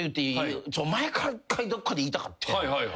前から１回どっかで言いたかって。